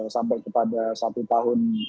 sampai kepada satu tahun